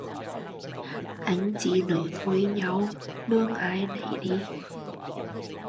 Anh chị nớ thôi nhau, đường ai nấy đi